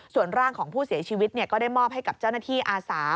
ส่วนร่างของผู้เสียชีวิตก็ได้มอบให้กับเจ้าหน้าที่อาสา